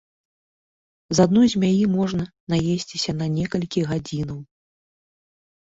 З адной змяі можна наесціся на некалькі гадзінаў!